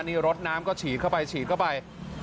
นี่รถน้ำก็ฉีดเข้าไปฉีดเข้าไป